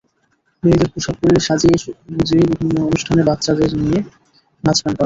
মেয়েদের পোশাক পরিয়ে সাজিয়ে-গুজিয়ে বিভিন্ন অনুষ্ঠানে বাচাদের দিয়ে নাচগান করানো হতো।